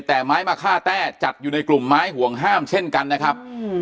แต่ไม้มะค่าแต้จัดอยู่ในกลุ่มไม้ห่วงห้ามเช่นกันนะครับ